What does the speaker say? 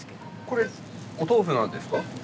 これお豆腐なんですか？